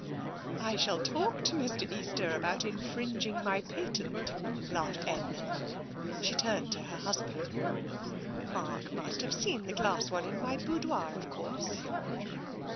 " I shall talk to Mr. Easter about infringing my patent," laughed Edna. She turned to her husband. " Mark must have seen the glass one in my boudoir, of course."